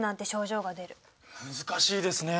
難しいですね。